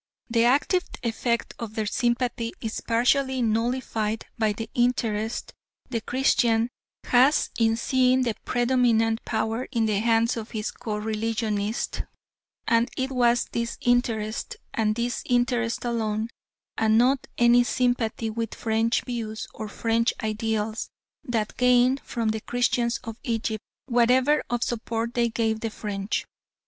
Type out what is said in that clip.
The active effect of their sympathy is partly nullified by the interest the Christian has in seeing the predominant power in the hands of his coreligionists, and it was this interest, and this interest alone, and not any sympathy with French views or French ideals, that gained from the Christians of Egypt whatever of support they gave the French.